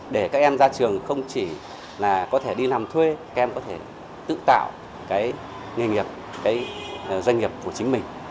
để các em ra trường không chỉ là có thể đi làm thuê các em có thể tự tạo cái nghề nghiệp cái doanh nghiệp của chính mình